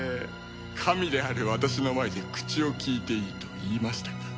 神である私の前で口をきいていいと言いましたか？